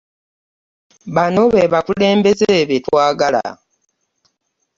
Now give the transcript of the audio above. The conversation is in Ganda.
Bano be bakulembeze be twagala.